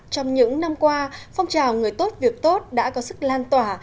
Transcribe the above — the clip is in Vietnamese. trong những năm qua phong trào người tốt việc tốt đã có sức lan tỏa